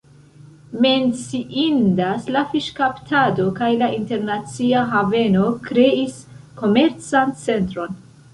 Menciindas la fiŝkaptado kaj la internacia haveno kreis komercan centron.